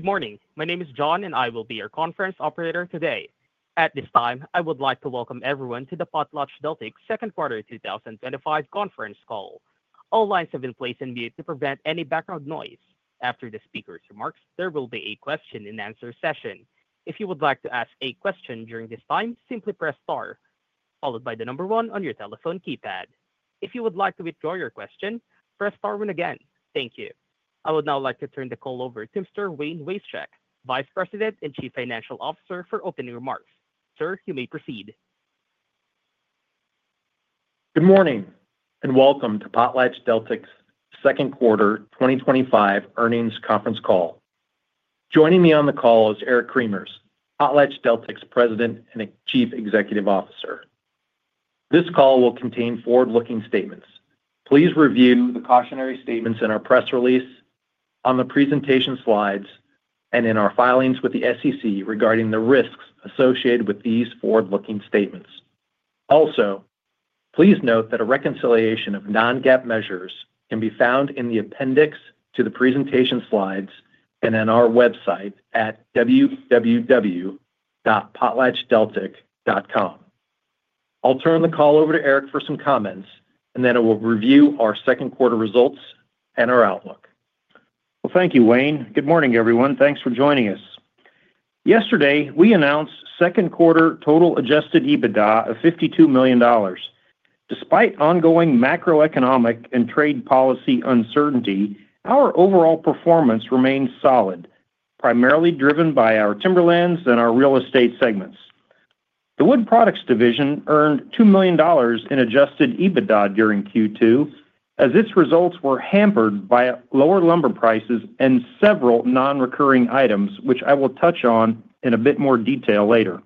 Good morning. My name is John and I will be your conference operator today. At this time, I would like to welcome everyone to the PotlatchDeltic Second Quarter 2025 Conference Call. All lines have been placed in mute to prevent any background noise. After the speaker's remarks, there will be a question and answer session. If you would like to ask a question during this time, simply press star, followed by the number one on your telephone keypad. If you would like to withdraw your question, press star one again. Thank you. I would now like to turn the call over to Mr. Wayne Wasechek, Vice President and Chief Financial Officer, for opening remarks. Sir, you may proceed. Good morning and welcome to PotlatchDeltic's Second Quarter 2025 Earnings Conference Call. Joining me on the call is Eric Cremers, PotlatchDeltic's President and Chief Executive Officer. This call will contain forward-looking statements. Please review the cautionary statements in our press release, on the presentation slides, and in our filings with the SEC regarding the risks associated with these forward-looking statements. Also, please note that a reconciliation of non-GAAP measures can be found in the appendix to the presentation slides and on our website at www.potlatchdeltic.com. I'll turn the call over to Eric for some comments, and then I will review our second quarter results and our outlook. Thank you, Wayne. Good morning, everyone. Thanks for joining us. Yesterday, we announced second quarter total adjusted EBITDA of $52 million. Despite ongoing macroeconomic and trade policy uncertainty, our overall performance remains solid, primarily driven by our timberlands and our real estate segments. The wood products division earned $2 million in adjusted EBITDA during Q2, as its results were hampered by lower lumber prices and several non-recurring items, which I will touch on in a bit more detail later.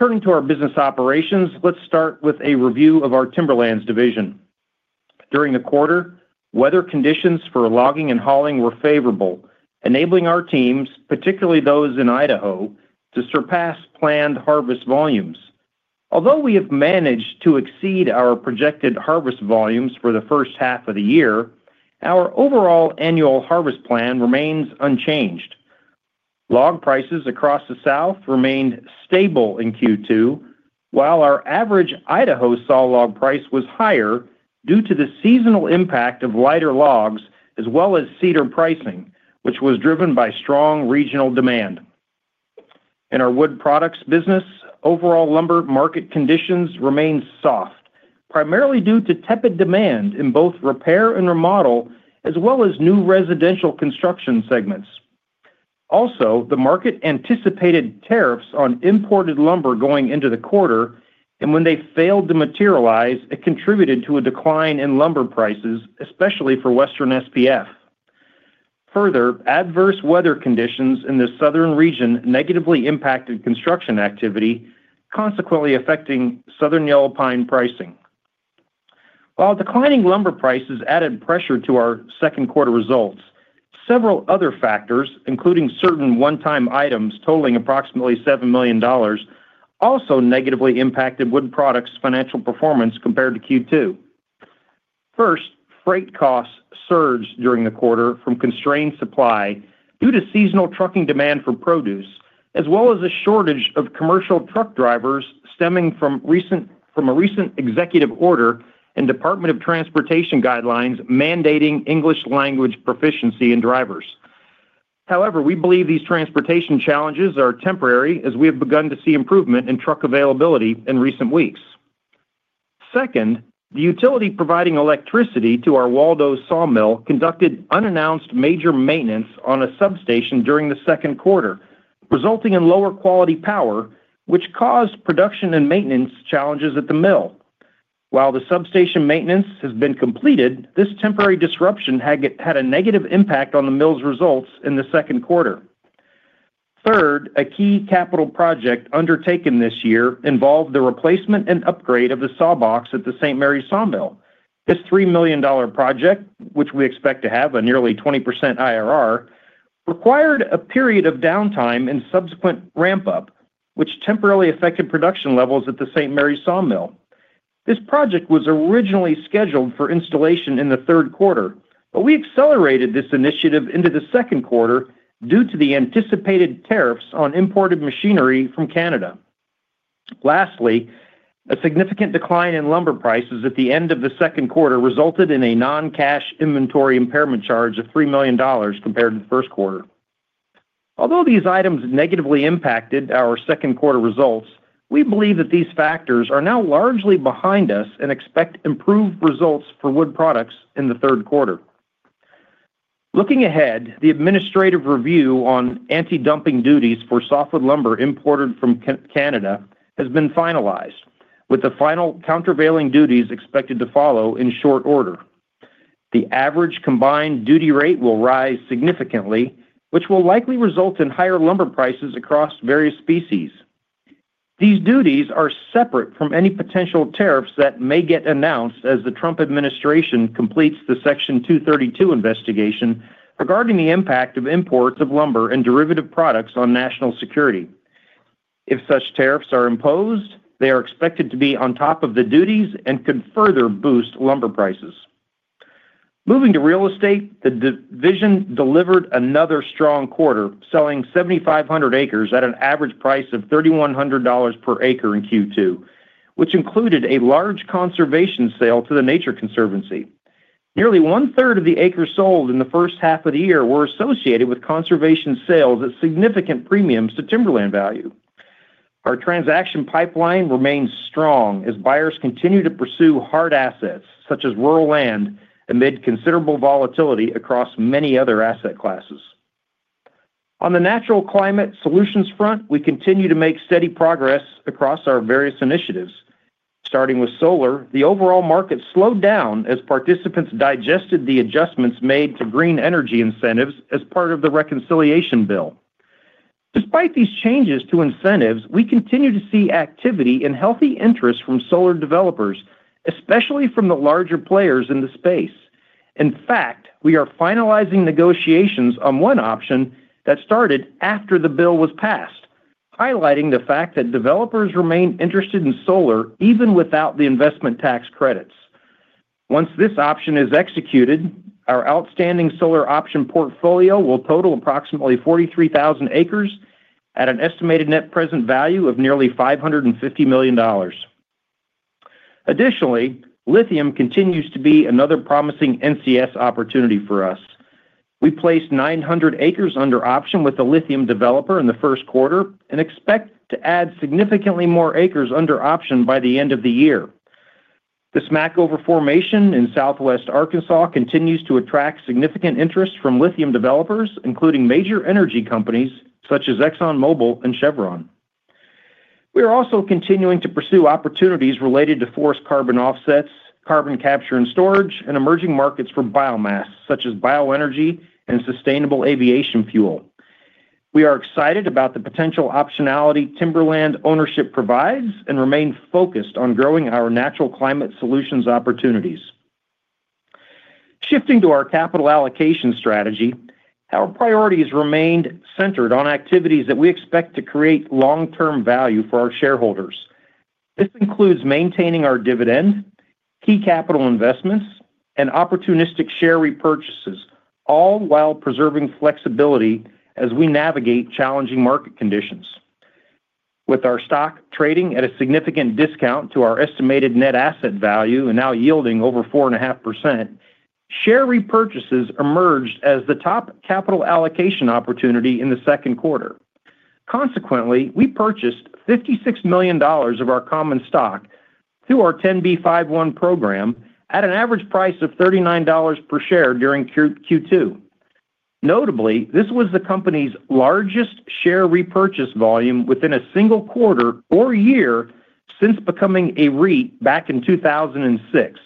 Turning to our business operations, let's start with a review of our timberlands division. During the quarter, weather conditions for logging and hauling were favorable, enabling our teams, particularly those in Idaho, to surpass planned harvest volumes. Although we have managed to exceed our projected harvest volumes for the first half of the year, our overall annual harvest plan remains unchanged. Log prices across the South remained stable in Q2, while our average Idaho sawlog price was higher due to the seasonal impact of lighter logs as well as cedar pricing, which was driven by strong regional demand. In our wood products business, overall lumber market conditions remained soft, primarily due to tepid demand in both repair and remodel, as well as new residential construction segments. Also, the market anticipated tariffs on imported lumber going into the quarter, and when they failed to materialize, it contributed to a decline in lumber prices, especially for Western SPF. Further, adverse weather conditions in the southern region negatively impacted construction activity, consequently affecting southern yellow pine pricing. While declining lumber prices added pressure to our second quarter results, several other factors, including certain one-time items totaling approximately $7 million, also negatively impacted wood products' financial performance compared to Q2. First, freight costs surged during the quarter from constrained supply due to seasonal trucking demand for produce, as well as a shortage of commercial truck drivers stemming from a recent executive order and Department of Transportation guidelines mandating English language proficiency in drivers. However, we believe these transportation challenges are temporary, as we have begun to see improvement in truck availability in recent weeks. Second, the utility providing electricity to our Waldo sawmill conducted unannounced major maintenance on a substation during the second quarter, resulting in lower-quality power, which caused production and maintenance challenges at the mill. While the substation maintenance has been completed, this temporary disruption had a negative impact on the mill's results in the second quarter. Third, a key capital project undertaken this year involved the replacement and upgrade of the sawbox at the St. Maries sawmill. This $3 million project, which we expect to have a nearly 20% IRR, required a period of downtime and subsequent ramp-up, which temporarily affected production levels at the St. Maries sawmill. This project was originally scheduled for installation in the third quarter, but we accelerated this initiative into the second quarter due to the anticipated tariffs on imported machinery from Canada. Lastly, a significant decline in lumber prices at the end of the second quarter resulted in a non-cash inventory impairment charge of $3 million compared to the first quarter. Although these items negatively impacted our second quarter results, we believe that these factors are now largely behind us and expect improved results for wood products in the third quarter. Looking ahead, the administrative review on anti-dumping duties for softwood lumber imported from Canada has been finalized, with the final countervailing duties expected to follow in short order. The average combined duty rate will rise significantly, which will likely result in higher lumber prices across various species. These duties are separate from any potential tariffs that may get announced as the Trump administration completes the Section 232 investigation regarding the impact of imports of lumber and derivative products on national security. If such tariffs are imposed, they are expected to be on top of the duties and could further boost lumber prices. Moving to real estate, the division delivered another strong quarter, selling 7,500 acres at an average price of $3,100 per acre in Q2, which included a large conservation sale to The Nature Conservancy. Nearly one-third of the acres sold in the first half of the year were associated with conservation sales at significant premiums to timberland value. Our transaction pipeline remains strong as buyers continue to pursue hard assets such as rural land amid considerable volatility across many other asset classes. On the natural climate solutions front, we continue to make steady progress across our various initiatives. Starting with solar, the overall market slowed down as participants digested the adjustments made to green energy incentives as part of the reconciliation bill. Despite these changes to incentives, we continue to see activity and healthy interest from solar developers, especially from the larger players in the space. In fact, we are finalizing negotiations on one option that started after the bill was passed, highlighting the fact that developers remain interested in solar even without the investment tax credits. Once this option is executed, our outstanding solar option portfolio will total approximately 43,000 acres at an estimated net present value of nearly $550 million. Additionally, lithium continues to be another promising NCS opportunity for us. We placed 900 acres under option with a lithium developer in the first quarter and expect to add significantly more acres under option by the end of the year. The Smackover Formation in southwest Arkansas continues to attract significant interest from lithium developers, including major energy companies such as ExxonMobil and Chevron. We are also continuing to pursue opportunities related to forest carbon offsets, carbon capture and storage, and emerging markets for biomass such as bioenergy and sustainable aviation fuel. We are excited about the potential optionality timberland ownership provides and remain focused on growing our natural climate solutions opportunities. Shifting to our capital allocation strategy, our priorities remained centered on activities that we expect to create long-term value for our shareholders. This includes maintaining our dividend, key capital investments, and opportunistic share repurchases, all while preserving flexibility as we navigate challenging market conditions. With our stock trading at a significant discount to our estimated net asset value and now yielding over 4.5%, share repurchases emerged as the top capital allocation opportunity in the second quarter. Consequently, we purchased $56 million of our common stock through our 10b5-1 program at an average price of $39 per share during Q2. Notably, this was the company's largest share repurchase volume within a single quarter or year since becoming a REIT back in 2006.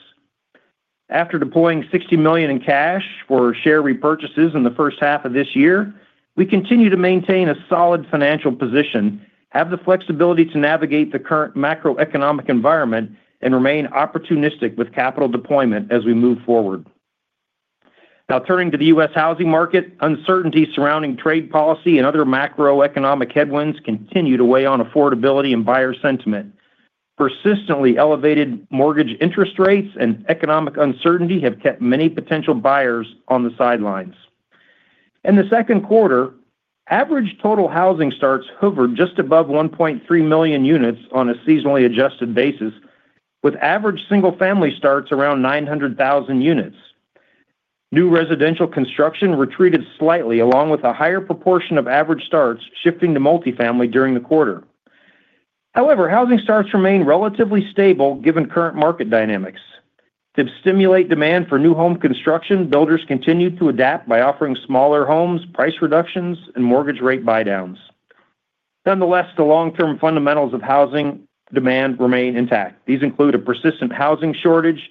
After deploying $60 million in cash for share repurchases in the first half of this year, we continue to maintain a solid financial position, have the flexibility to navigate the current macroeconomic environment, and remain opportunistic with capital deployment as we move forward. Now, turning to the U.S. housing market, uncertainty surrounding trade policy and other macroeconomic headwinds continue to weigh on affordability and buyer sentiment. Persistently elevated mortgage interest rates and economic uncertainty have kept many potential buyers on the sidelines. In the second quarter, average total housing starts hovered just above 1.3 million units on a seasonally adjusted basis, with average single-family starts around 900,000 units. New residential construction retreated slightly, along with a higher proportion of average starts shifting to multifamily during the quarter. However, housing starts remain relatively stable given current market dynamics. To stimulate demand for new home construction, builders continue to adapt by offering smaller homes, price reductions, and mortgage rate buydowns. Nonetheless, the long-term fundamentals of housing demand remain intact. These include a persistent housing shortage,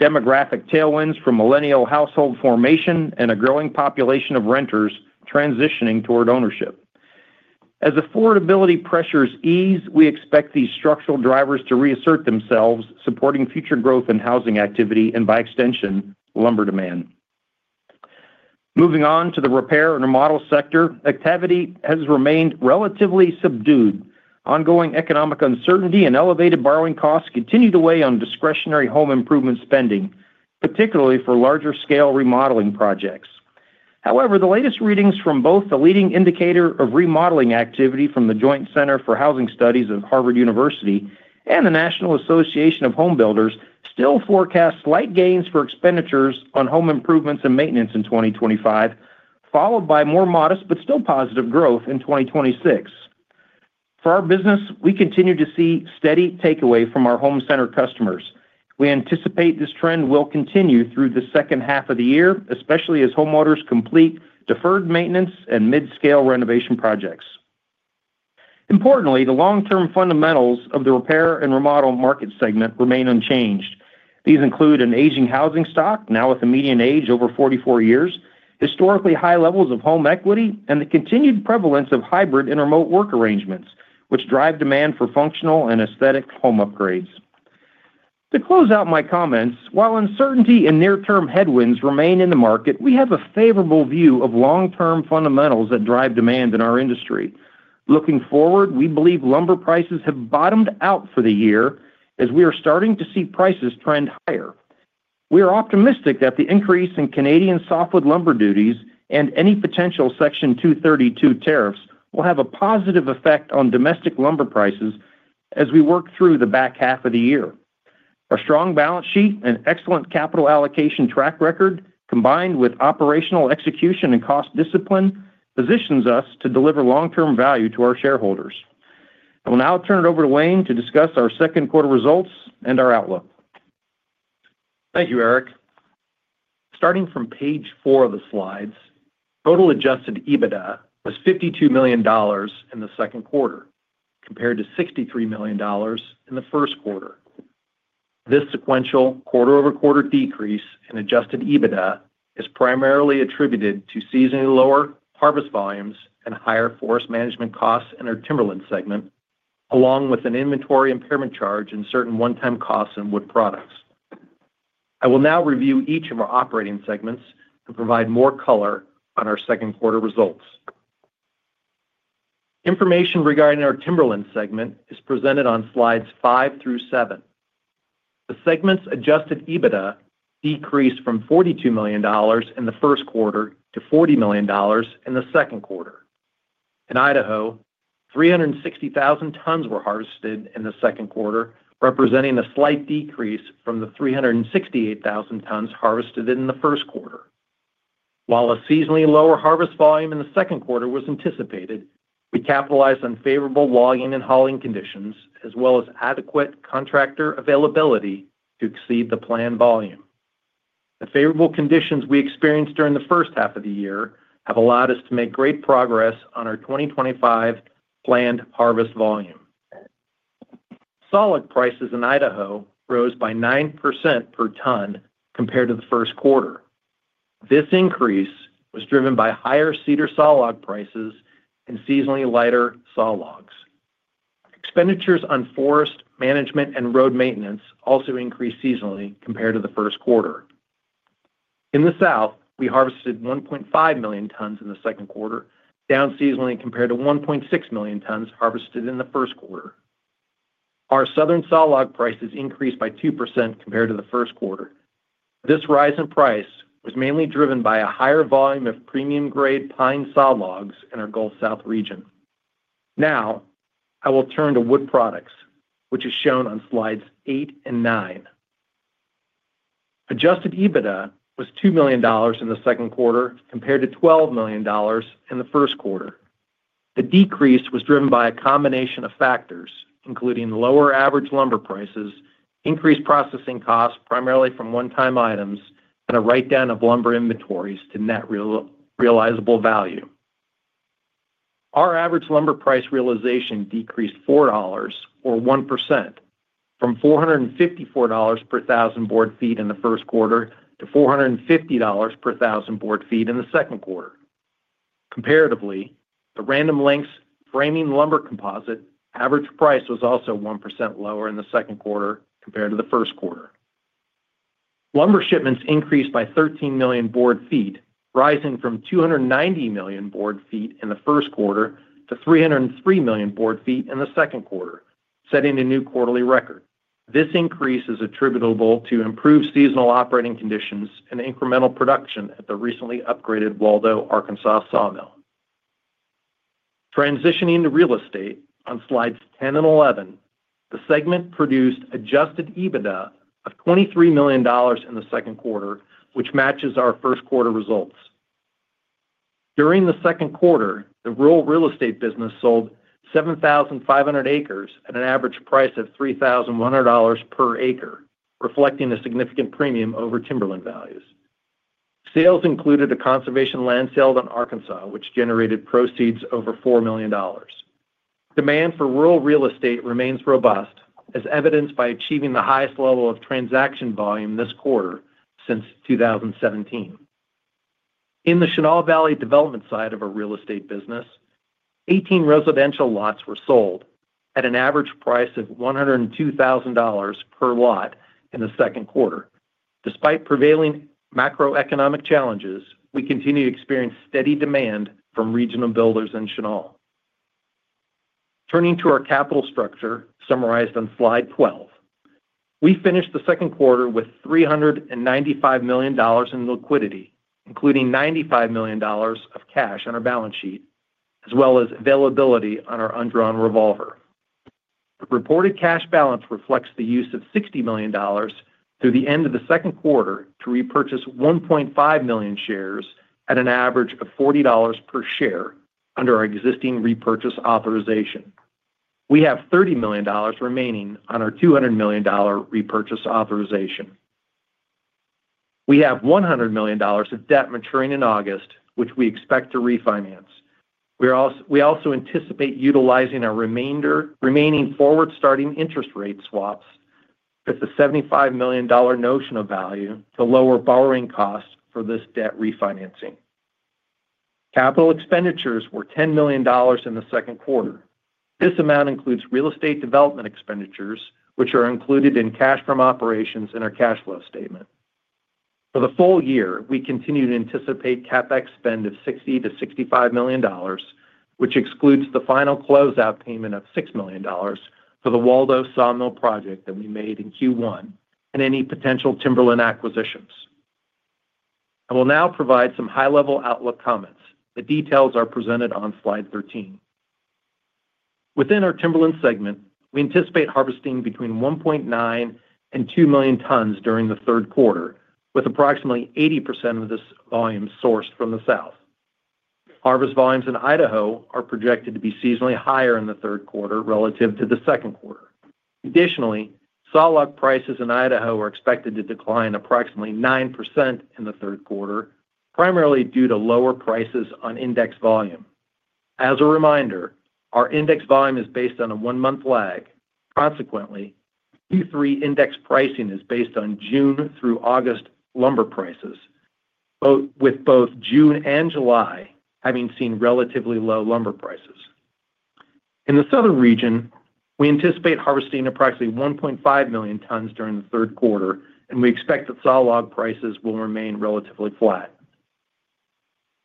demographic tailwinds from millennial household formation, and a growing population of renters transitioning toward ownership. As affordability pressures ease, we expect these structural drivers to reassert themselves, supporting future growth in housing activity and, by extension, lumber demand. Moving on to the repair and remodel sector, activity has remained relatively subdued. Ongoing economic uncertainty and elevated borrowing costs continue to weigh on discretionary home improvement spending, particularly for larger-scale remodeling projects. However, the latest readings from both the Leading Indicator of Remodeling Activity from the Joint Center for Housing Studies of Harvard University and the National Association of Home Builders still forecast slight gains for expenditures on home improvements and maintenance in 2025, followed by more modest but still positive growth in 2026. For our business, we continue to see steady takeaway from our home center customers. We anticipate this trend will continue through the second half of the year, especially as homeowners complete deferred maintenance and mid-scale renovation projects. Importantly, the long-term fundamentals of the repair and remodel market segment remain unchanged. These include an aging housing stock now with a median age over 44 years, historically high levels of home equity, and the continued prevalence of hybrid and remote work arrangements, which drive demand for functional and aesthetic home upgrades. To close out my comments, while uncertainty and near-term headwinds remain in the market, we have a favorable view of long-term fundamentals that drive demand in our industry. Looking forward, we believe lumber prices have bottomed out for the year as we are starting to see prices trend higher. We are optimistic that the increase in Canadian softwood lumber duties and any potential Section 232 tariffs will have a positive effect on domestic lumber prices as we work through the back half of the year. A strong balance sheet and excellent capital allocation track record, combined with operational execution and cost discipline, positions us to deliver long-term value to our shareholders. I will now turn it over to Wayne to discuss our second quarter results and our outlook. Thank you, Eric. Starting from page four of the slides, total adjusted EBITDA was $52 million in the second quarter compared to $63 million in the first quarter. This sequential quarter-over-quarter decrease in adjusted EBITDA is primarily attributed to seasonally lower harvest volumes and higher forest management costs in our timberland segment, along with an inventory impairment charge and certain one-time costs in wood products. I will now review each of our operating segments and provide more color on our second quarter results. Information regarding our timberland segment is presented on slides five through seven. The segment's adjusted EBITDA decreased from $42 million in the first quarter to $40 million in the second quarter. In Idaho, 360,000 tons were harvested in the second quarter, representing a slight decrease from the 368,000 tons harvested in the first quarter. While a seasonally lower harvest volume in the second quarter was anticipated, we capitalized on favorable logging and hauling conditions, as well as adequate contractor availability to exceed the planned volume. The favorable conditions we experienced during the first half of the year have allowed us to make great progress on our 2025 planned harvest volume. Solid prices in Idaho rose by 9% per ton compared to the first quarter. This increase was driven by higher cedar sawlog prices and seasonally lighter sawlogs. Expenditures on forest management and road maintenance also increased seasonally compared to the first quarter. In the South, we harvested 1.5 million tons in the second quarter, down seasonally compared to 1.6 million tons harvested in the first quarter. Our southern sawlog prices increased by 2% compared to the first quarter. This rise in price was mainly driven by a higher volume of premium-grade pine sawlogs in our Gulf South region. Now, I will turn to wood products, which is shown on slides eight and nine. Adjusted EBITDA was $2 million in the second quarter compared to $12 million in the first quarter. The decrease was driven by a combination of factors, including lower average lumber prices, increased processing costs primarily from one-time items, and a write-down of lumber inventories to net realizable value. Our average lumber price realization decreased $4, or 1%, from $454 per thousand board feet in the first quarter to $450 per thousand board feet in the second quarter. Comparatively, the Random Lengths framing lumber composite average price was also 1% lower in the second quarter compared to the first quarter. Lumber shipments increased by 13 million board feet, rising from 290 million board feet in the first quarter to 303 million board feet in the second quarter, setting a new quarterly record. This increase is attributable to improved seasonal operating conditions and incremental production at the recently upgraded Waldo, Arkansas sawmill. Transitioning to real estate, on slides 10 and 11, the segment produced adjusted EBITDA of $23 million in the second quarter, which matches our first quarter results. During the second quarter, the rural real estate business sold 7,500 acres at an average price of $3,100 per acre, reflecting a significant premium over timberland values. Sales included a conservation land sale in Arkansas, which generated proceeds over $4 million. Demand for rural real estate remains robust, as evidenced by achieving the highest level of transaction volume this quarter since 2017. In the Chenal Valley development side of our real estate business, 18 residential lots were sold at an average price of $102,000 per lot in the second quarter. Despite prevailing macroeconomic challenges, we continue to experience steady demand from regional builders in Chenal. Turning to our capital structure summarized on slide 12, we finished the second quarter with $395 million in liquidity, including $95 million of cash on our balance sheet, as well as availability on our undrawn revolver. The reported cash balance reflects the use of $60 million through the end of the second quarter to repurchase 1.5 million shares at an average of $40 per share under our existing repurchase authorization. We have $30 million remaining on our $200 million repurchase authorization. We have $100 million of debt maturing in August, which we expect to refinance. We also anticipate utilizing our remaining forward starting interest rate swaps with a $75 million notion of value to lower borrowing costs for this debt refinancing. Capital expenditures were $10 million in the second quarter. This amount includes real estate development expenditures, which are included in cash from operations in our cash flow statement. For the full year, we continue to anticipate CapEx spend of $60 million-$65 million, which excludes the final closeout payment of $6 million for the Waldo sawmill project that we made in Q1 and any potential timberland acquisitions. I will now provide some high-level outlook comments. The details are presented on slide 13. Within our timberland segment, we anticipate harvesting between 1.9 and 2 million tons during the third quarter, with approximately 80% of this volume sourced from the South. Harvest volumes in Idaho are projected to be seasonally higher in the third quarter relative to the second quarter. Additionally, sawlog prices in Idaho are expected to decline approximately 9% in the third quarter, primarily due to lower prices on index volume. As a reminder, our index volume is based on a one-month lag. Consequently, Q3 index pricing is based on June through August lumber prices, with both June and July having seen relatively low lumber prices. In the South, we anticipate harvesting approximately 1.5 million tons during the third quarter, and we expect that sawlog prices will remain relatively flat.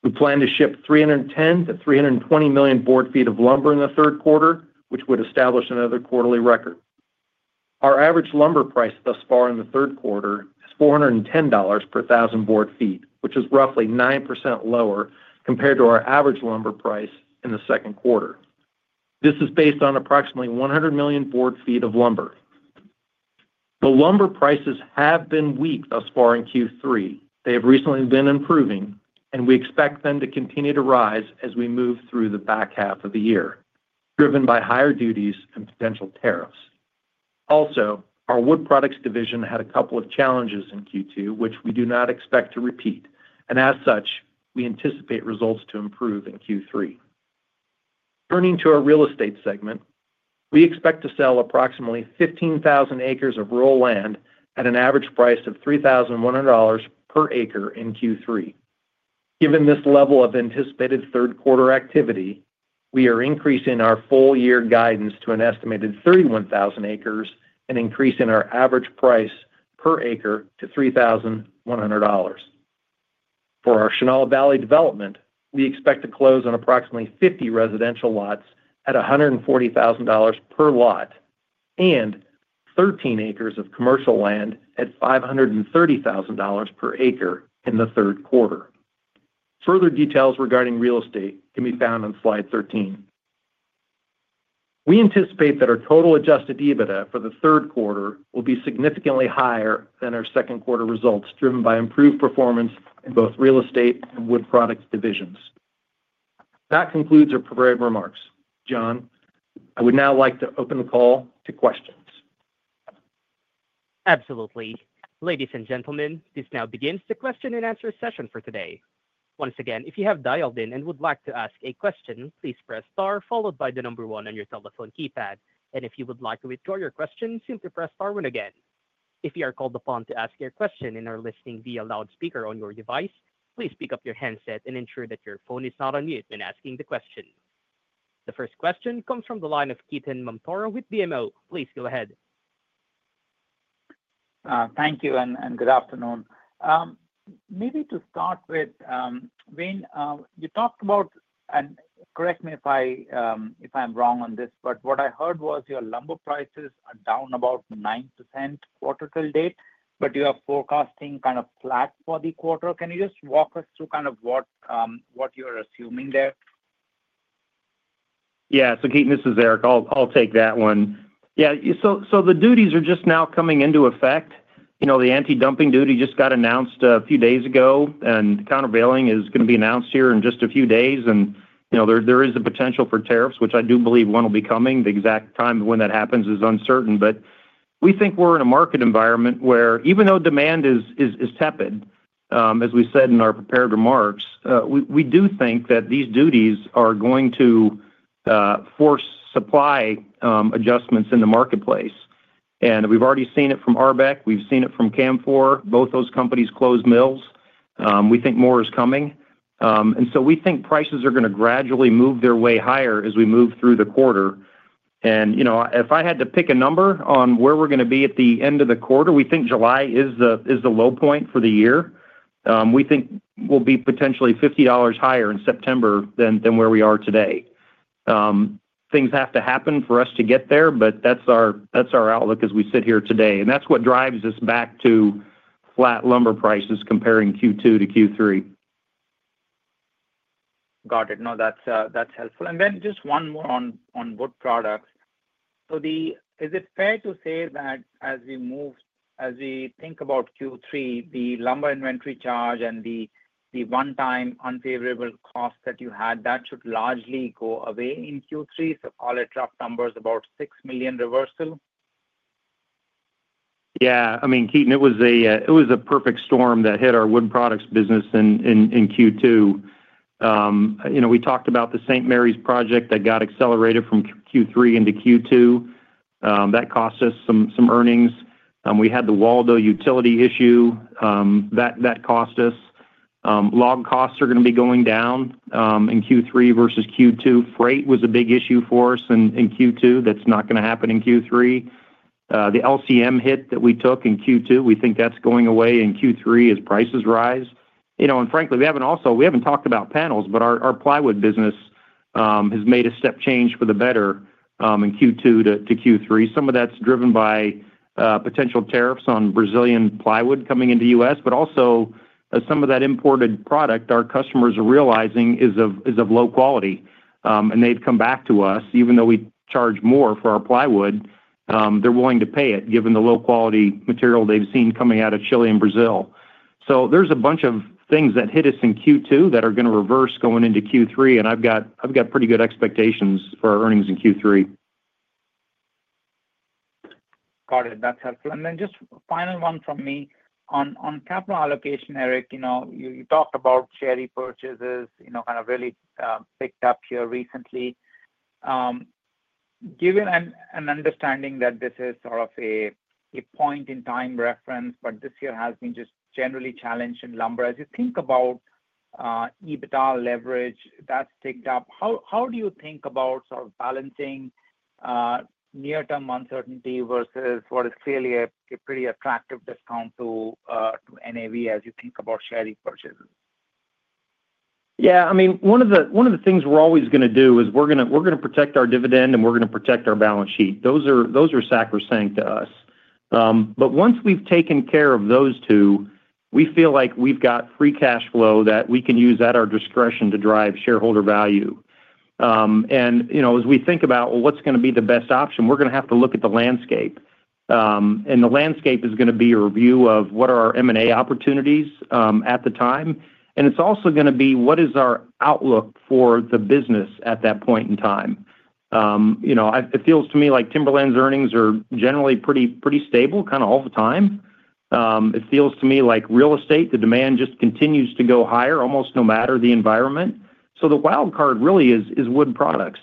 We plan to ship 310 million-320 million board feet of lumber in the third quarter, which would establish another quarterly record. Our average lumber price thus far in the third quarter is $410 per thousand board feet, which is roughly 9% lower compared to our average lumber price in the second quarter. This is based on approximately 100 million board feet of lumber. The lumber prices have been weak thus far in Q3. They have recently been improving, and we expect them to continue to rise as we move through the back half of the year, driven by higher duties and potential tariffs. Also, our wood products division had a couple of challenges in Q2, which we do not expect to repeat, and as such, we anticipate results to improve in Q3. Turning to our real estate segment, we expect to sell approximately 15,000 acres of rural land at an average price of $3,100 per acre in Q3. Given this level of anticipated third quarter activity, we are increasing our full-year guidance to an estimated 31,000 acres and increasing our average price per acre to $3,100. For our Chenal Valley development, we expect to close on approximately 50 residential lots at $140,000 per lot and 13 acres of commercial land at $530,000 per acre in the third quarter. Further details regarding real estate can be found on slide 13. We anticipate that our total adjusted EBITDA for the third quarter will be significantly higher than our second quarter results, driven by improved performance in both real estate and wood products divisions. That concludes our prepared remarks. John, I would now like to open the call to questions. Absolutely. Ladies and gentlemen, this now begins the question and answer session for today. Once again, if you have dialed in and would like to ask a question, please press star followed by the number one on your telephone keypad. If you would like to withdraw your question, simply press star one again. If you are called upon to ask your question and are listening via loudspeaker on your device, please pick up your headset and ensure that your phone is not on mute when asking the question. The first question comes from the line of Ketan Mamtora with BMO. Please go ahead. Thank you and good afternoon. Maybe to start with, Wayne, you talked about, and correct me if I'm wrong on this, but what I heard was your lumber prices are down about 9% quarter to date, but you are forecasting kind of flat for the quarter. Can you just walk us through kind of what you're assuming there? Yeah. Ketan, this is Eric. I'll take that one. The duties are just now coming into effect. The anti-dumping duty just got announced a few days ago, and countervailing is going to be announced here in just a few days. There is a potential for tariffs, which I do believe one will be coming. The exact time when that happens is uncertain, but we think we're in a market environment where even though demand is tepid, as we said in our prepared remarks, we do think that these duties are going to force supply adjustments in the marketplace. We've already seen it from Arbec. We've seen it from Canfor. Both those companies closed mills. We think more is coming. We think prices are going to gradually move their way higher as we move through the quarter. If I had to pick a number on where we're going to be at the end of the quarter, we think July is the low point for the year. We think we'll be potentially $50 higher in September than where we are today. Things have to happen for us to get there, but that's our outlook as we sit here today. That's what drives us back to flat lumber prices comparing Q2 to Q3. Got it. No, that's helpful. Just one more on wood products. Is it fair to say that as we move, as we think about Q3, the lumber inventory charge and the one-time unfavorable costs that you had, that should largely go away in Q3? Call it rough numbers, about $6 million reversal? Yeah. I mean, Ketan, it was a perfect storm that hit our wood products business in Q2. We talked about the St. Maries project that got accelerated from Q3 into Q2. That cost us some earnings. We had the Waldo utility issue. That cost us. Log costs are going to be going down in Q3 versus Q2. Freight was a big issue for us in Q2. That’s not going to happen in Q3. The LCM hit that we took in Q2, we think that’s going away in Q3 as prices rise. Frankly, we haven’t also, we haven’t talked about panels, but our plywood business has made a step change for the better in Q2-Q3. Some of that’s driven by potential tariffs on Brazilian plywood coming into the U.S., but also some of that imported product our customers are realizing is of low quality. They’ve come back to us, even though we charge more for our plywood, they’re willing to pay it given the low-quality material they’ve seen coming out of Chile and Brazil. There’s a bunch of things that hit us in Q2 that are going to reverse going into Q3, and I’ve got pretty good expectations for earnings in Q3. Got it. That's helpful. Just final one from me. On capital allocation, Eric, you talked about share repurchases, you know, kind of really picked up here recently. Given an understanding that this is sort of a point-in-time reference, but this year has been just generally challenged in lumber. As you think about EBITDA leverage, that's ticked up. How do you think about sort of balancing near-term uncertainty versus what is clearly a pretty attractive discount to net asset value as you think about share repurchases? Yeah. I mean, one of the things we're always going to do is we're going to protect our dividend and we're going to protect our balance sheet. Those are sacrosanct to us. Once we've taken care of those two, we feel like we've got free cash flow that we can use at our discretion to drive shareholder value. As we think about, well, what's going to be the best option, we're going to have to look at the landscape. The landscape is going to be a review of what are our M&A opportunities at the time. It's also going to be what is our outlook for the business at that point in time. It feels to me like timberlands earnings are generally pretty stable, kind of all the time. It feels to me like real estate, the demand just continues to go higher almost no matter the environment. The wild card really is wood products.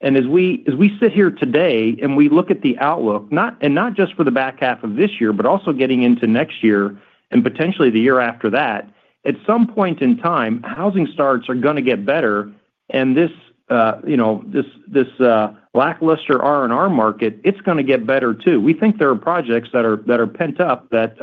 As we sit here today and we look at the outlook, and not just for the back half of this year, but also getting into next year and potentially the year after that, at some point in time, housing starts are going to get better. This lackluster R&R market, it's going to get better too. We think there are projects that are pent up that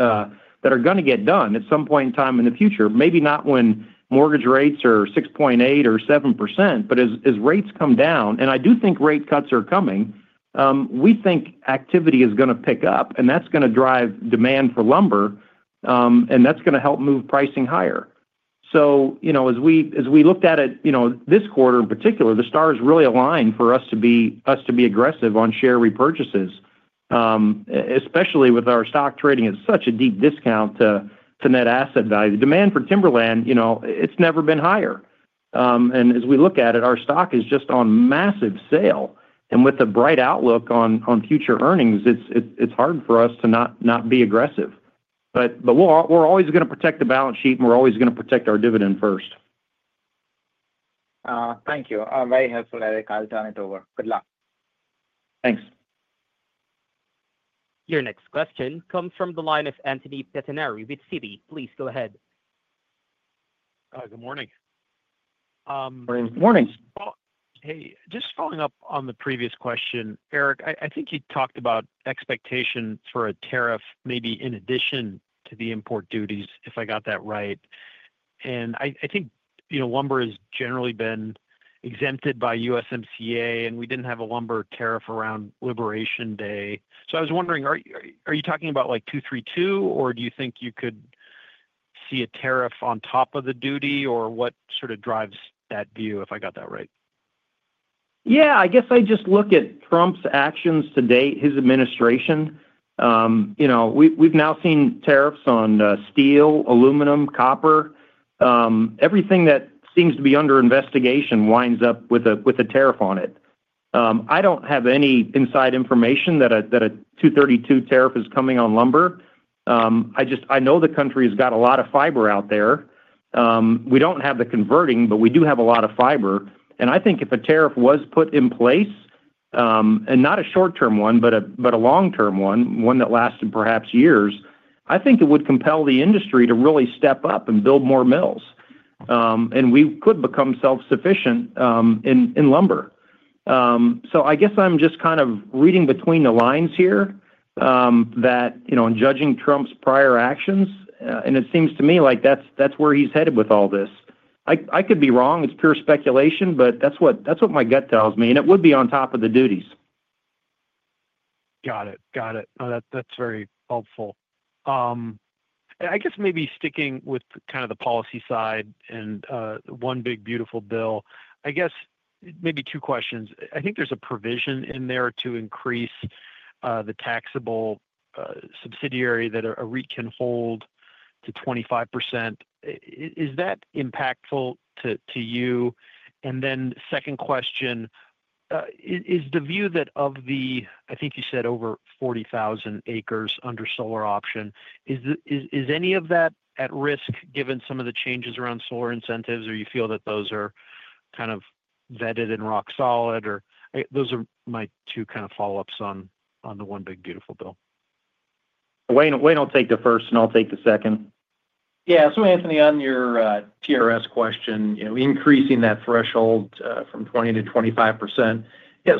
are going to get done at some point in time in the future. Maybe not when mortgage rates are 6.8% or 7%, but as rates come down, and I do think rate cuts are coming, we think activity is going to pick up, and that's going to drive demand for lumber, and that's going to help move pricing higher. As we looked at it, this quarter in particular, the stars really align for us to be aggressive on share repurchases, especially with our stock trading at such a deep discount to net asset value. The demand for timberland, it's never been higher. As we look at it, our stock is just on massive sale. With a bright outlook on future earnings, it's hard for us to not be aggressive. We're always going to protect the balance sheet, and we're always going to protect our dividend first. Thank you. Very helpful, Eric. I'll turn it over. Good luck. Thanks. Your next question comes from the line of Anthony Pettinari with Citi. Please go ahead. Good morning. Morning. Hey, just following up on the previous question, Eric, I think you talked about expectations for a tariff maybe in addition to the import duties, if I got that right. I think, you know, lumber has generally been exempted by USMCA, and we didn't have a lumber tariff around Liberation Day. I was wondering, are you talking about like Section 232 tariffs, or do you think you could see a tariff on top of the duty, or what sort of drives that view, if I got that right? Yeah, I guess I just look at Trump's actions to date, his administration. We've now seen tariffs on steel, aluminum, copper. Everything that seems to be under investigation winds up with a tariff on it. I don't have any inside information that a Section 232 tariff is coming on lumber. I just know the country has got a lot of fiber out there. We don't have the converting, but we do have a lot of fiber. I think if a tariff was put in place, and not a short-term one, but a long-term one, one that lasted perhaps years, I think it would compel the industry to really step up and build more mills. We could become self-sufficient in lumber. I guess I'm just kind of reading between the lines here that, in judging Trump's prior actions, it seems to me like that's where he's headed with all this. I could be wrong. It's pure speculation, but that's what my gut tells me, and it would be on top of the duties. Got it. That's very helpful. I guess maybe sticking with kind of the policy side and One Big Beautiful Bill, I guess maybe two questions. I think there's a provision in there to increase the taxable subsidiary that a REIT can hold to 25%. Is that impactful to you? Second question, is the view that of the, I think you said over 40,000 acres under solar option, is any of that at risk given some of the changes around solar incentives, or you feel that those are kind of vetted and rock solid? Those are my two kind of follow-ups on the One Big Beautiful Bill. Wayne'll take the first, and I'll take the second. Yeah. Anthony, on your TRS question, increasing that threshold from 20%-25%.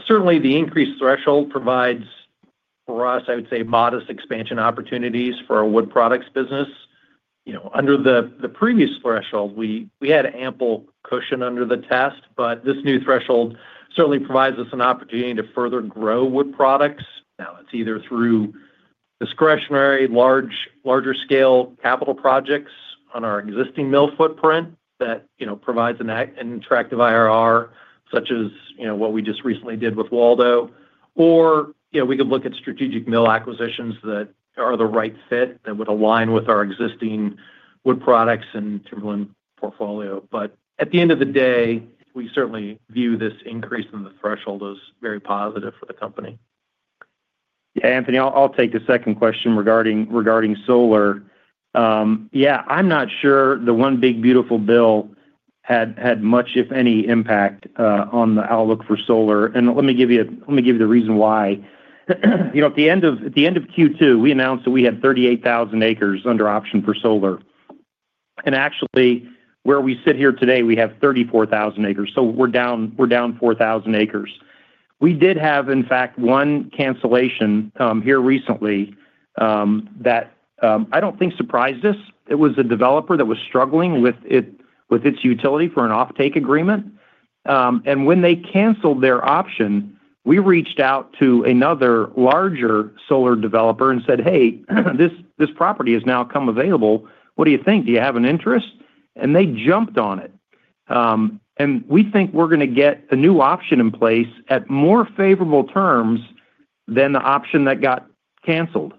Certainly, the increased threshold provides for us, I would say, modest expansion opportunities for our wood products business. Under the previous threshold, we had ample cushion under the test, but this new threshold certainly provides us an opportunity to further grow wood products. Now, it's either through discretionary, larger-scale capital projects on our existing mill footprint that provides an attractive IRR, such as what we just recently did with Waldo. We could look at strategic mill acquisitions that are the right fit that would align with our existing wood products and timberland portfolio. At the end of the day, we certainly view this increase in the threshold as very positive for the company. Yeah, Anthony, I'll take the second question regarding solar. I'm not sure the One Big Beautiful Bill had much, if any, impact on the outlook for solar. Let me give you the reason why. At the end of Q2, we announced that we had 38,000 acres under option for solar. Actually, where we sit here today, we have 34,000 acres, so we're down 4,000 acres. We did have, in fact, one cancellation here recently that I don't think surprised us. It was a developer that was struggling with its utility for an off-take agreement. When they canceled their option, we reached out to another larger solar developer and said, "Hey, this property has now come available. What do you think? Do you have an interest?" They jumped on it. We think we're going to get a new option in place at more favorable terms than the option that got canceled.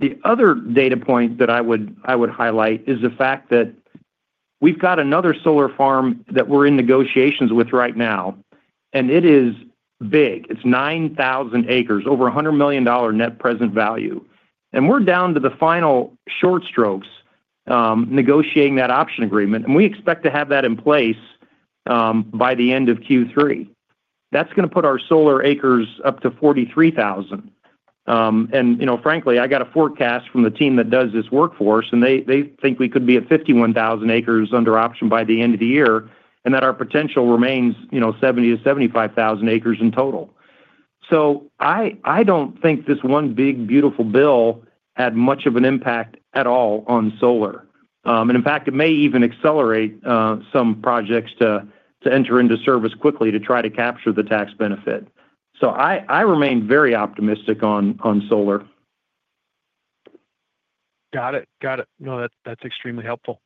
The other data point that I would highlight is the fact that we've got another solar farm that we're in negotiations with right now. It is big. It's 9,000 acres, over $100 million net present value. We're down to the final short strokes negotiating that option agreement, and we expect to have that in place by the end of Q3. That's going to put our solar acres up to 43,000. Frankly, I got a forecast from the team that does this work for us, and they think we could be at 51,000 acres under option by the end of the year, and that our potential remains 70,000-75,000 acres in total. I don't think this One Big Beautiful Bill had much of an impact at all on solar. In fact, it may even accelerate some projects to enter into service quickly to try to capture the tax benefit. I remain very optimistic on solar. Got it. That's extremely helpful.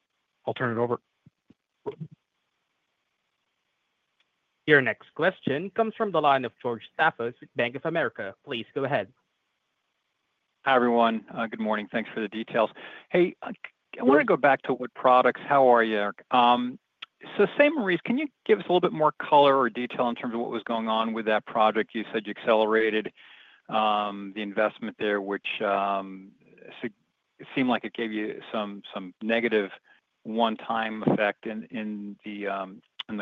I'll turn it over. Your next question comes from the line of George Staphos with Bank of America. Please go ahead. Hi, everyone. Good morning. Thanks for the details. I want to go back to wood products. How are you? St. Maries, can you give us a little bit more color or detail in terms of what was going on with that project? You said you accelerated the investment there, which seemed like it gave you some negative one-time effect in the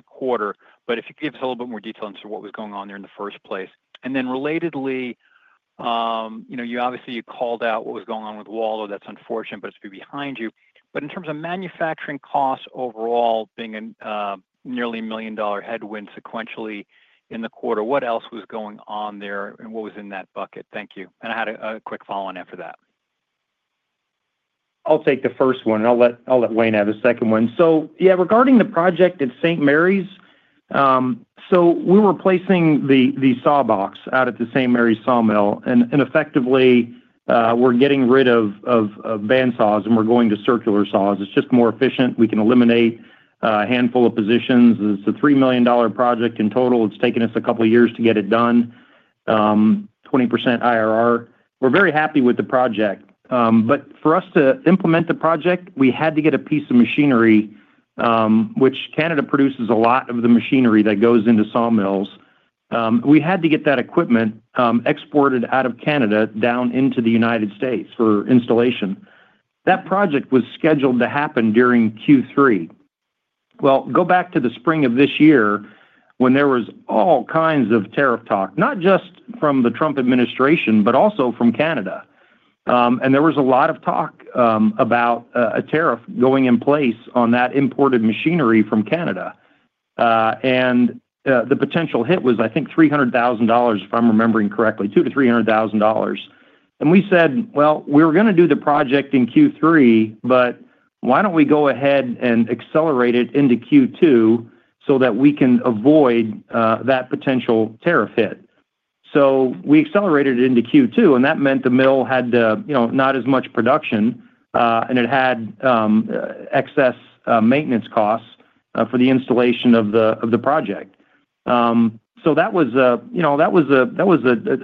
quarter. If you could give us a little bit more detail as to what was going on there in the first place. Relatedly, you obviously called out what was going on with Waldo. That's unfortunate, but it's been behind you. In terms of manufacturing costs overall being a nearly $1 million headwind sequentially in the quarter, what else was going on there and what was in that bucket? Thank you. I had a quick follow-on after that. I'll take the first one. I'll let Wayne have the second one. Regarding the project at St. Maries, we're replacing the sawbox out at the St. Maries sawmill. Effectively, we're getting rid of band saws and we're going to circular saws. It's just more efficient. We can eliminate a handful of positions. It's a $3 million project in total. It's taken us a couple of years to get it done, 20% IRR. We're very happy with the project. For us to implement the project, we had to get a piece of machinery, which Canada produces a lot of the machinery that goes into sawmills. We had to get that equipment exported out of Canada down into the United States for installation. That project was scheduled to happen during Q3. Go back to the spring of this year when there was all kinds of tariff talk, not just from the Trump administration, but also from Canada. There was a lot of talk about a tariff going in place on that imported machinery from Canada. The potential hit was, I think, $300,000, if I'm remembering correctly, $200,000-$300,000. We said we were going to do the project in Q3, but why don't we go ahead and accelerate it into Q2 so that we can avoid that potential tariff hit? We accelerated it into Q2, and that meant the mill had not as much production, and it had excess maintenance costs for the installation of the project. That was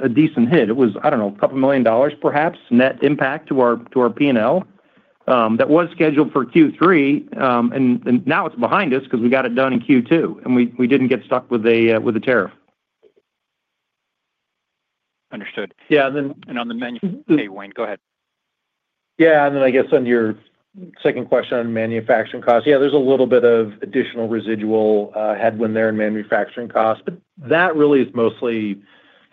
a decent hit. It was, I don't know, a couple million dollars, perhaps, net impact to our P&L that was scheduled for Q3, and now it's behind us because we got it done in Q2, and we didn't get stuck with a tariff. Understood. Yeah, on the manufacturing, Wayne, go ahead. Yeah, and then I guess on your second question on manufacturing costs, there's a little bit of additional residual headwind there in manufacturing costs. That really is mostly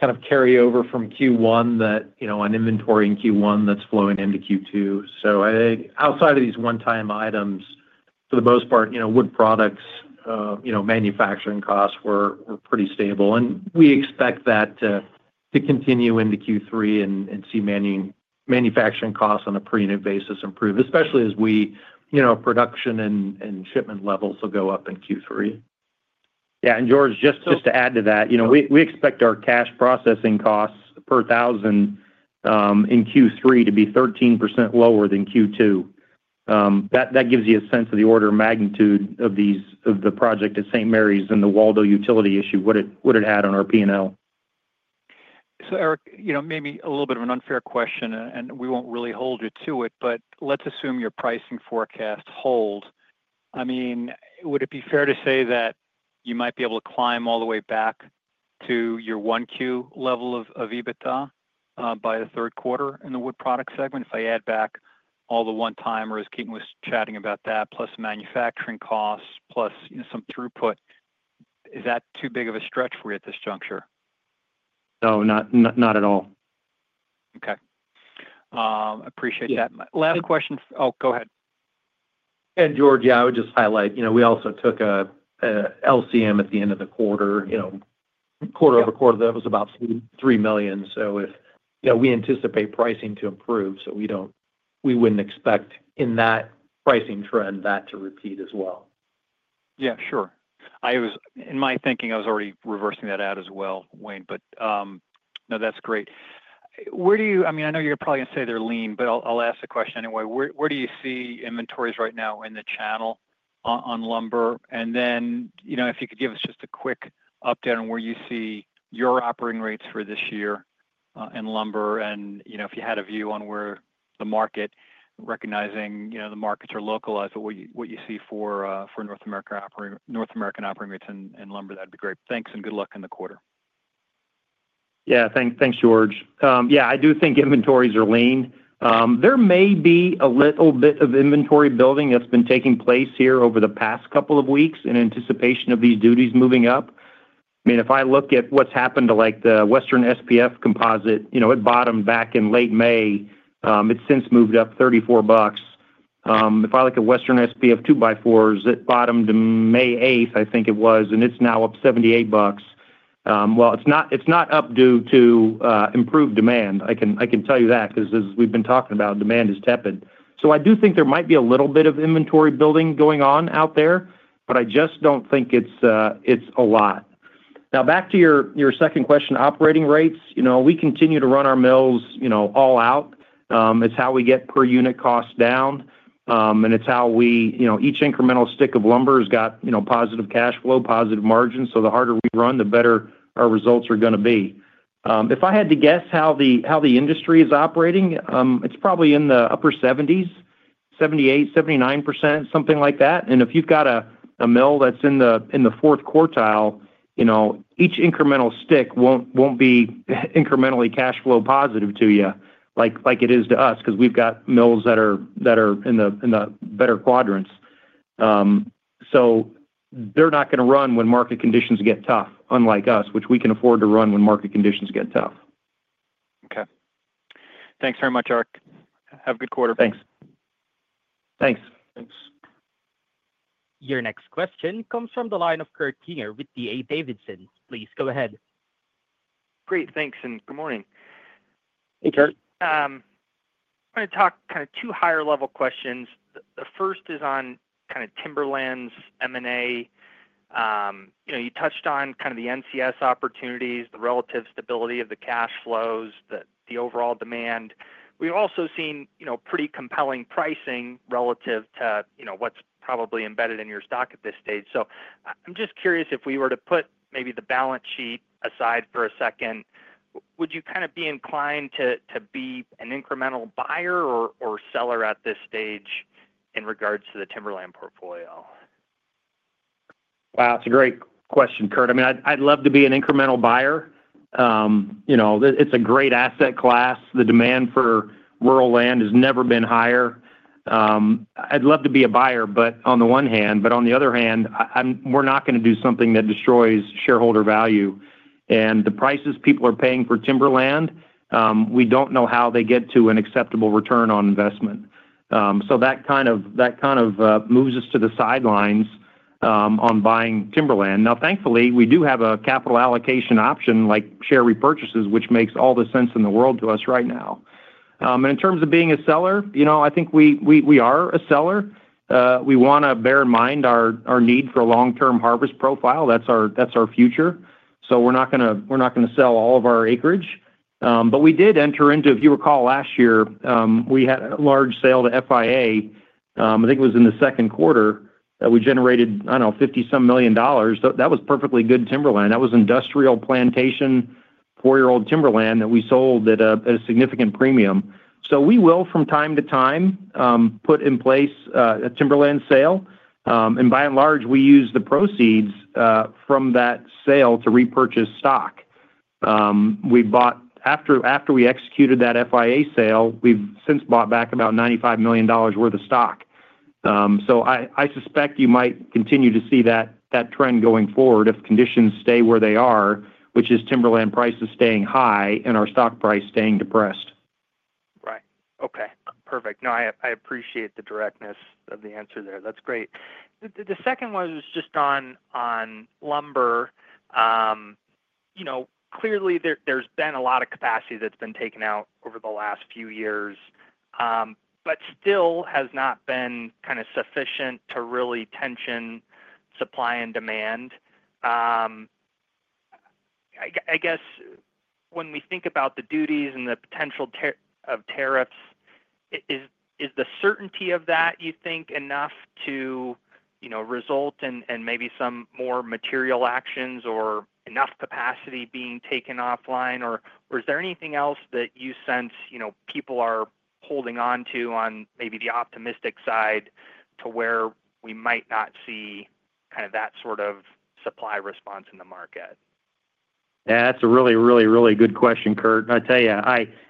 kind of carryover from Q1, an inventory in Q1 that's flowing into Q2. I think outside of these one-time items, for the most part, wood products manufacturing costs were pretty stable. We expect that to continue into Q3 and see manufacturing costs on a per unit basis improve, especially as production and shipment levels will go up in Q3. Yeah. George, just to add to that, we expect our cash processing costs per thousand in Q3 to be 13% lower than Q2. That gives you a sense of the order of magnitude of the project St. Maries sawmill and Waldo sawmill utility issue, what it had on our P&L. Eric, you know, maybe a little bit of an unfair question, and we won't really hold you to it, but let's assume your pricing forecasts hold. Would it be fair to say that you might be able to climb all the way back to your 1Q level of EBITDA by the third quarter in the wood products segment? If I add back all the one-timers, Ketan was chatting about that, plus manufacturing costs, plus, you know, some throughput, is that too big of a stretch for you at this juncture? No, not at all. Okay, appreciate that. Last question. Oh, go ahead. George, I would just highlight, you know, we also took an LCM at the end of the quarter. Quarter over quarter, that was about $3 million. If, you know, we anticipate pricing to improve, we wouldn't expect in that pricing trend that to repeat as well. Yeah, sure. I was, in my thinking, I was already reversing that out as well, Wayne, but no, that's great. Where do you, I mean, I know you're probably going to say they're lean, but I'll ask the question anyway. Where do you see inventories right now in the channel on lumber? If you could give us just a quick update on where you see your operating rates for this year in lumber, and if you had a view on where the market, recognizing the markets are localized, but what you see for North American operating rates in lumber, that'd be great. Thanks, and good luck in the quarter. Yeah, thanks, George. I do think inventories are lean. There may be a little bit of inventory building that's been taking place here over the past couple of weeks in anticipation of these duties moving up. I mean, if I look at what's happened to the Western SPF composite, it bottomed back in late May. It's since moved up $34. If I look at Western SPF 2x4s, it bottomed May 8, I think it was, and it's now up $78. It's not up due to improved demand. I can tell you that because as we've been talking about, demand is tepid. I do think there might be a little bit of inventory building going on out there, but I just don't think it's a lot. Now, back to your second question, operating rates, we continue to run our mills all out. It's how we get per unit costs down, and it's how we, each incremental stick of lumber has got positive cash flow, positive margins. The harder we run, the better our results are going to be. If I had to guess how the industry is operating, it's probably in the upper 70s, 78%, 79%, something like that. If you've got a mill that's in the fourth quartile, each incremental stick won't be incrementally cash flow positive to you like it is to us because we've got mills that are in the better quadrants. They're not going to run when market conditions get tough, unlike us, which we can afford to run when market conditions get tough. Okay, thanks very much, Eric. Have a good quarter. Thanks. Thanks. Thanks. Your next question comes from the line of Kurt Yinger with D.A. Davidson. Please go ahead. Great. Thanks, and good morning. Hey, Kurt. I'm going to talk kind of two higher-level questions. The first is on kind of timberlands M&A. You touched on kind of the NCS opportunities, the relative stability of the cash flows, the overall demand. We've also seen pretty compelling pricing relative to what's probably embedded in your stock at this stage. I'm just curious if we were to put maybe the balance sheet aside for a second, would you be inclined to be an incremental buyer or seller at this stage in regards to the timberland portfolio? Wow, it's a great question, Kurt. I mean, I'd love to be an incremental buyer. It's a great asset class. The demand for rural land has never been higher. I'd love to be a buyer, but on the one hand, we're not going to do something that destroys shareholder value. The prices people are paying for timberland, we don't know how they get to an acceptable return on investment. That kind of moves us to the sidelines on buying timberland. Thankfully, we do have a capital allocation option like share repurchases, which makes all the sense in the world to us right now. In terms of being a seller, I think we are a seller. We want to bear in mind our need for a long-term harvest profile. That's our future. We're not going to sell all of our acreage. We did enter into, if you recall, last year, we had a large sale to FIA. I think it was in the second quarter that we generated, I don't know, $50-some million. That was perfectly good timberland. That was industrial plantation, four-year-old timberland that we sold at a significant premium. We will, from time to time, put in place a timberland sale. By and large, we use the proceeds from that sale to repurchase stock. After we executed that FIA sale, we've since bought back about $95 million worth of stock. I suspect you might continue to see that trend going forward if conditions stay where they are, which is timberland prices staying high and our stock price staying depressed. Right. Okay. Perfect. No, I appreciate the directness of the answer there. That's great. The second one was just on lumber. You know, clearly, there's been a lot of capacity that's been taken out over the last few years, but still has not been kind of sufficient to really tension supply and demand. I guess when we think about the duties and the potential of tariffs, is the certainty of that, you think, enough to, you know, result in maybe some more material actions or enough capacity being taken offline? Is there anything else that you sense, you know, people are holding on to on maybe the optimistic side to where we might not see kind of that sort of supply response in the market? Yeah, that's a really, really, really good question, Kurt. I tell you,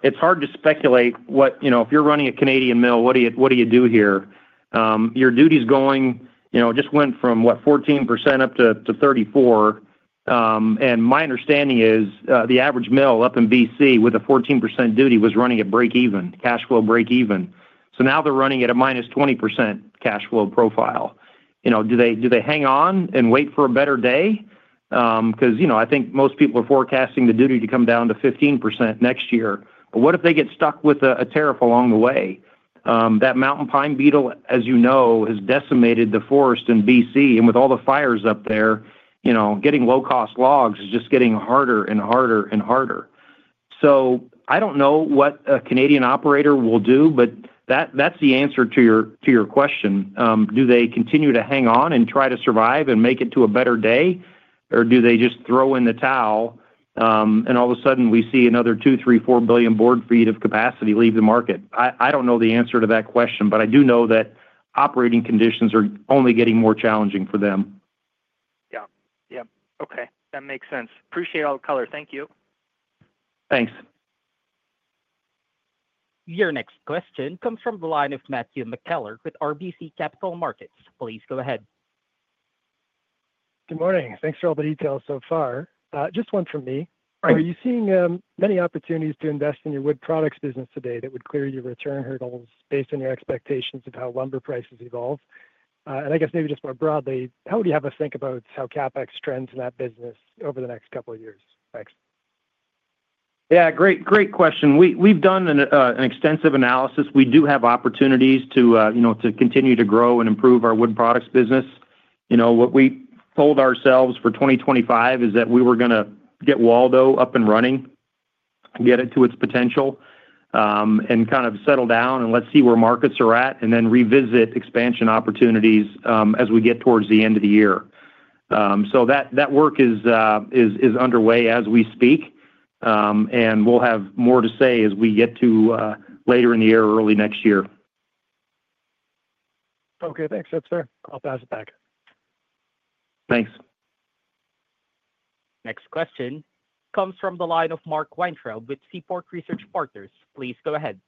it's hard to speculate what, you know, if you're running a Canadian mill, what do you do here? Your duties just went from 14% up to 34%. My understanding is the average mill up in BC with a 14% duty was running at break-even, cash flow break-even. Now they're running at a minus 20% cash flow profile. Do they hang on and wait for a better day? I think most people are forecasting the duty to come down to 15% next year. What if they get stuck with a tariff along the way? That mountain pine beetle, as you know, has decimated the forest in BC. With all the fires up there, getting low-cost logs is just getting harder and harder and harder. I don't know what a Canadian operator will do, but that's the answer to your question. Do they continue to hang on and try to survive and make it to a better day? Do they just throw in the towel and all of a sudden we see another 2, 3, 4 billion board feet of capacity leave the market? I don't know the answer to that question, but I do know that operating conditions are only getting more challenging for them. Yeah, yeah. Okay, that makes sense. Appreciate all the color. Thank you. Thanks. Your next question comes from the line of Matthew McKellar with RBC Capital Markets. Please go ahead. Good morning. Thanks for all the details so far. Just one from me. Are you seeing many opportunities to invest in your wood products business today that would clear your return hurdles based on your expectations of how lumber prices evolve? Maybe just more broadly, how would you have us think about how CapEx trends in that business over the next couple of years? Thanks. Great question. We've done an extensive analysis. We do have opportunities to continue to grow and improve our wood products business. What we told ourselves for 2025 is that we were going to get Waldo up and running, get it to its potential, and kind of settle down and let's see where markets are at, then revisit expansion opportunities as we get towards the end of the year. That work is underway as we speak. We'll have more to say as we get to later in the year or early next year. Okay, thanks. That's fair. I'll pass it back. Thanks. Next question comes from the line of Mark Weintraub with Seaport Research Partners. Please go ahead.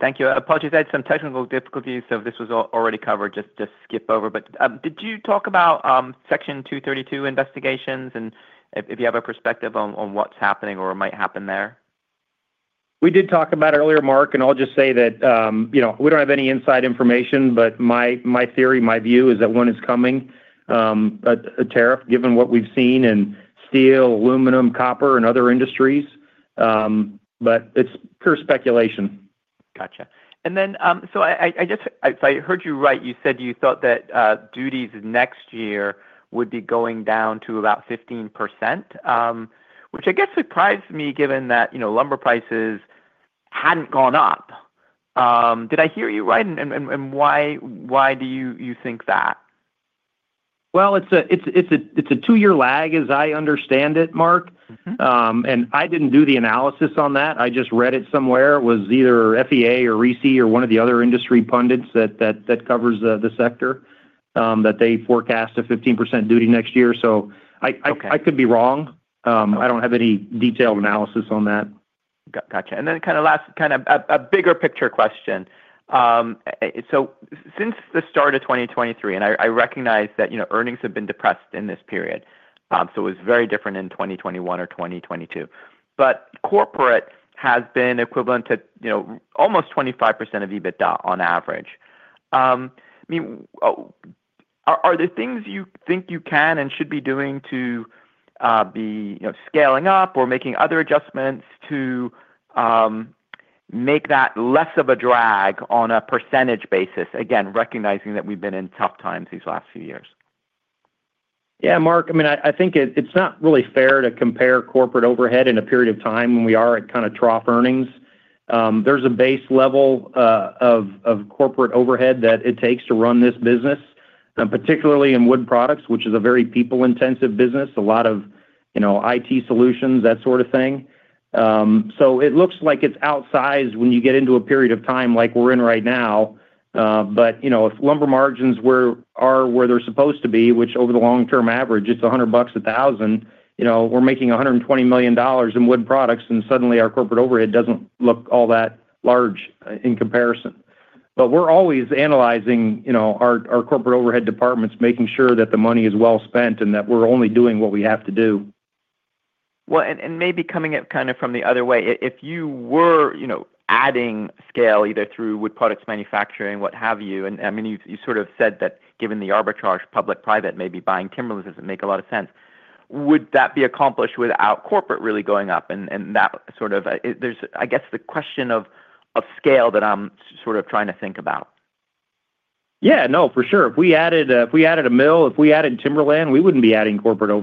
Thank you. I apologize. I had some technical difficulties. If this was already covered, just skip over. Did you talk about Section 232 investigations and if you have a perspective on what's happening or might happen there? We did talk about it earlier, Mark. I'll just say that we don't have any inside information, but my theory, my view is that one is coming, a tariff given what we've seen in steel, aluminum, copper, and other industries. It's pure speculation. Gotcha. If I heard you right, you said you thought that duties next year would be going down to about 15%, which surprised me given that, you know, lumber prices hadn't gone up. Did I hear you right? Why do you think that? It's a two-year lag, as I understand it, Mark. I didn't do the analysis on that. I just read it somewhere. It was either FEA or RISI or one of the other industry pundits that covers the sector that they forecast a 15% duty next year. I could be wrong. I don't have any detailed analysis on that. Gotcha. Kind of a bigger picture question. Since the start of 2023, and I recognize that, you know, earnings have been depressed in this period. It was very different in 2021 or 2022. Corporate has been equivalent to almost 25% of EBITDA on average. Are there things you think you can and should be doing to be scaling up or making other adjustments to make that less of a drag on a percentage basis, again, recognizing that we've been in tough times these last few years? Yeah, Mark. I mean, I think it's not really fair to compare corporate overhead in a period of time when we are at kind of trough earnings. There's a base level of corporate overhead that it takes to run this business, particularly in wood products, which is a very people-intensive business, a lot of IT solutions, that sort of thing. It looks like it's outsized when you get into a period of time like we're in right now. If lumber margins are where they're supposed to be, which over the long-term average, it's $100 a thousand, we're making $120 million in wood products, and suddenly our corporate overhead doesn't look all that large in comparison. We're always analyzing our corporate overhead departments, making sure that the money is well spent and that we're only doing what we have to do. Maybe coming at it from the other way, if you were, you know, adding scale either through wood products manufacturing, what have you, and I mean, you sort of said that given the arbitrage public-private maybe buying timberlands doesn't make a lot of sense. Would that be accomplished without corporate really going up? There's, I guess, the question of scale that I'm sort of trying to think about. Yeah, no, for sure. If we added a mill, if we added timberland, we wouldn't be adding corporate overhead.